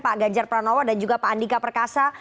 pak ganjar pranowo dan juga pak andika perkasa